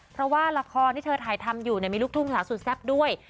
เพราะว่าละครที่เธอถ่ายทำอยู่มีลูกทุ่งสาวสุดแซ่บด้วย